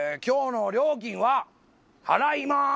今日の料金は払いま。